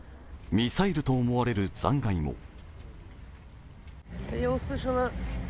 ミサイルと思われる残骸も。